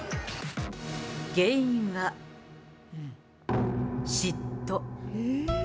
原因は、嫉妬。